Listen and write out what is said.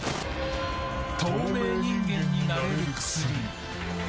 透明人間になれる薬！